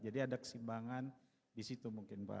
jadi ada kesimbangan di situ mungkin pak